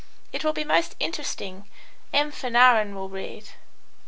It will be most interesting. M. Fanarin will read."